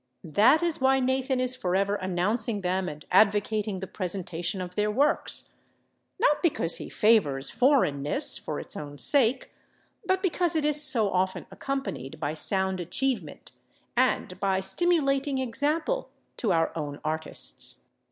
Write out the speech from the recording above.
That is why Nathan is forever announcing them and advocating the presentation of their works—not because he favors foreignness for its own sake, but because it is so often accompanied by sound achievement and by stimulating example to our own artists.